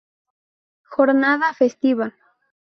Jornada festiva.